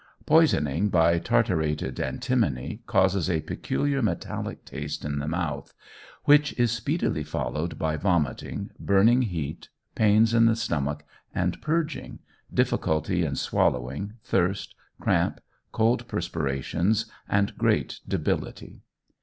Poisoning by tartarated antimony causes a peculiar metallic taste in the mouth, which is speedily followed by vomiting, burning heat, pains in the stomach and purging, difficulty in swallowing, thirst, cramp, cold perspirations, and great debility.